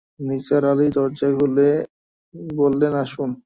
নিসার আলি দরজা খুলে বললেন, আসুন।